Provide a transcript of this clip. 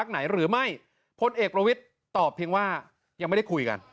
ไหนหรือไม่พลเอกประวิทย์ตอบเพียงว่ายังไม่ได้คุยกัน